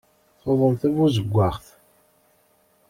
Tuḍen tabuzewwaɣt.